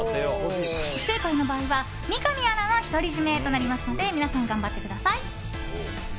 不正解の場合は三上アナの独り占めとなりますので皆さん、頑張ってください！